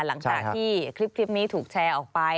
หลังจากที่คลิปนี้ถูกแชร์ออกไป